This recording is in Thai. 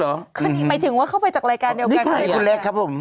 ก็นี่หมายถึงเขาไปออกจากรายการเดียวกันได้ไหม